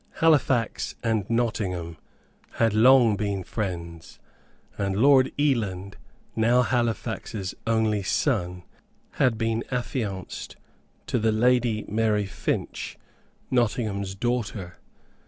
Halifax and Nottingham had long been friends; and Lord Eland, now Halifax's only son, had been affianced to the Lady Mary Finch, Nottingham's daughter.